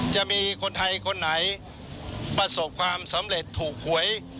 จะมีคนไทยคนไหนประสบความสำเร็จถูกหวย